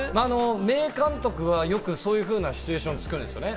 名監督はよくそういうシチュエーションを作るんですよね。